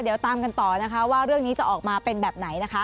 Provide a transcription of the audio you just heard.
เดี๋ยวตามกันต่อนะคะว่าเรื่องนี้จะออกมาเป็นแบบไหนนะคะ